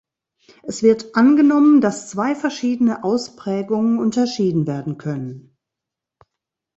Es wird angenommen, dass zwei verschiedene Ausprägungen unterschieden werden können.